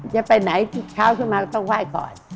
จะไปไหนอาจจะมาเปิดต้องไหว้ก่อน